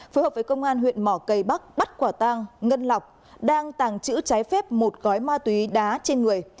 phối hợp với công an huyện mỏ cây bắc bắt quả tang ngân lọc đang tàng trữ trái phép một gói ma túy đá trên người